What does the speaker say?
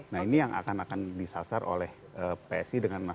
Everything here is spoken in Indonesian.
nah ini yang akan akan disasar oleh psi dengan masyarakat